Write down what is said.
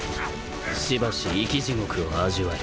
しばし生き地獄を味わえ。